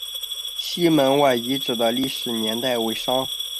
西门外遗址的历史年代为商。